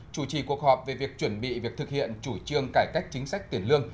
chủ trì cuộc họp về việc chuẩn bị việc thực hiện chủ trương cải cách chính sách tiền lương